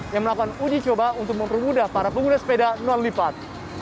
yang melakukan uji coba untuk mempermudah para pengguna sepeda non lipat